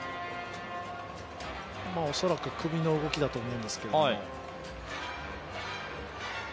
恐らく首の動きだと思うんですけれども。